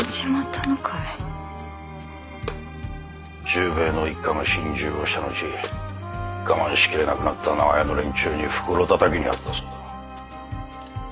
十兵衛の一家が心中をした後我慢しきれなくなった長屋の連中に袋だたきに遭ったそうだ。